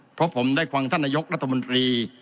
เพราะผมได้ฟังท่านนายกรัฐมนตรี